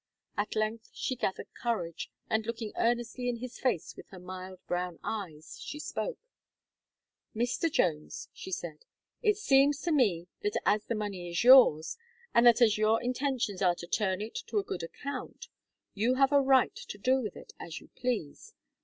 At length she gathered courage, and looking earnestly in his face with her mild brown eyes, she spoke. "Mr. Jones," she said, "it seems to me that as the money is yours, and that as your intentions are to turn it to a good account, you have a right to do with it as you please.